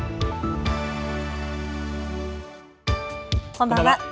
こんばんは。